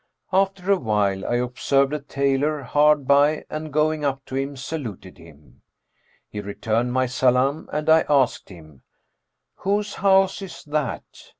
After awhile, I observed a tailor hard by and going up to him, saluted him. He returned my salam and I asked him, 'Whose house is that?'